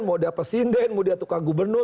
mau dia presiden mau dia tukang gubernur